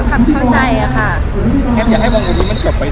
ไหนค่ะ